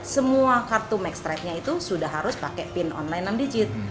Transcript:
semua kartu magstripenya itu sudah harus pakai pin online enam digit